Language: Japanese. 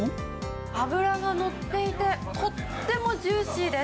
脂が乗っていて、とってもジューシーです。